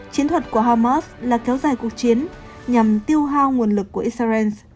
chiến thuật của hamas là kéo dài cuộc chiến nhằm tiêu hao nguồn lực của israel